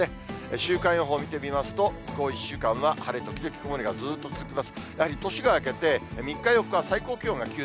週間予報見てみますと、向こう１週間は晴れ時々曇りがずっと続きます。